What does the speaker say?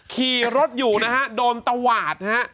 ขี่รถอยู่นะฮะโดนตวาดฮะ